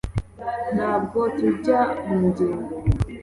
Ntabwo tujya mu ngendo